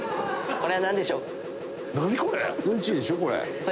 これ！